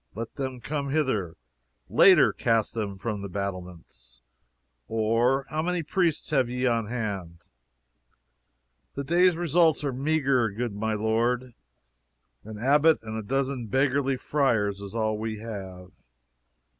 Let them come hither. Later, cast them from the battlements or how many priests have ye on hand?" "The day's results are meagre, good my lord. An abbot and a dozen beggarly friars is all we have."